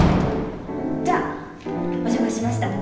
じゃあお邪魔しました。